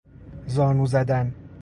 زانو زدن